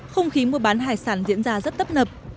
không khí mua bán hải sản diễn ra rất tấp nập